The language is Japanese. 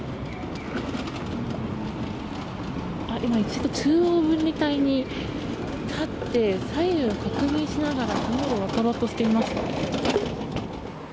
一度、中央分離帯に立って左右を確認しながら道路を渡ろうとしています。